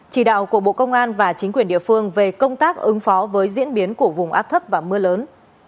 chỉ đạo của bộ công an và chính quyền địa phương về công tác ứng phó với diễn biến của vùng áp thấp và mưa lớn